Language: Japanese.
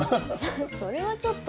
それはちょっと。